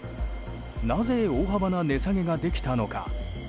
なぜ大幅な値下げができたのか。